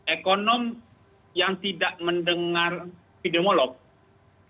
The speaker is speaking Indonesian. ekonomi yang tidak mendengar epidemiologi